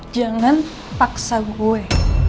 jangan paksa gue